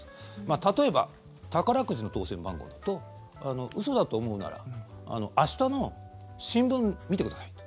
例えば、宝くじの当選番号だと嘘だと思うなら明日の新聞、見てくださいと。